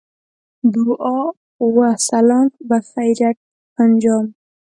دعا و سلام بخیریت انجام.